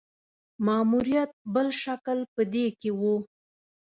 ماموریت بل مشکل په دې کې وو.